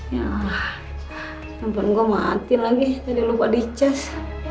ya tempat gua mati lagi tadi lupa di cas